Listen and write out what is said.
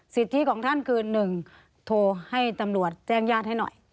สิทธิของท่านคือ๑โทรให้ตำรวจแจ้งญาติให้หน่อย